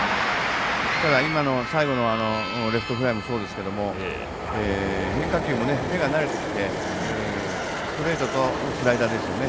ただ、今の最後のレフトフライもそうですけども変化球も目が慣れてきてストレートとスライダーですよね